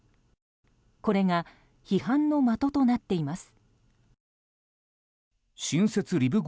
これが批判の的となっています。